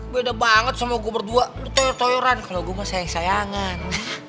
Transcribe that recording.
beda banget sama gua berdua lu toyor toyoran kalau gua mah sayang sayangan